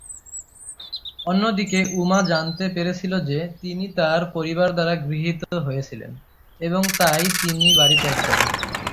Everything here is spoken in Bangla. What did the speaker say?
অন্যদিকে, উমা জানতে পেরেছিল যে তিনি তার পরিবার দ্বারা গৃহীত হয়েছিলেন এবং তাই তিনি বাড়ি ত্যাগ করেন।